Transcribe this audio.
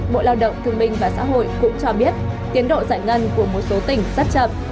bộ lao động thương minh và xã hội cũng cho biết tiến độ giải ngân của một số tỉnh rất chậm